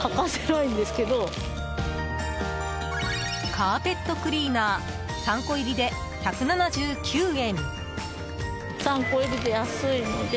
カーペットクリーナー３個入りで１７９円。